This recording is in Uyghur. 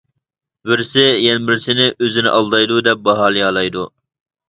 بىرسى يەنە بىرسىنى ئۆزىنى ئالدايدۇ دەپ باھالىيالايدۇ.